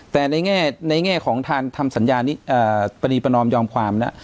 แต่ในแง่ของทางทำสัญญานี้ปณีประนอมยอมความนะ